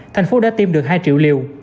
thành phố đã tiêm được hai triệu liều